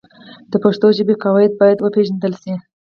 د پښتو ژبې قواعد باید وپېژندل سي.